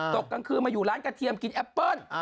กลางคืนมาอยู่ร้านกระเทียมกินแอปเปิ้ล